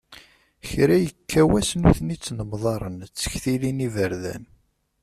Kra yekka wass nutni ttnemḍaren, ttektilin iberdan.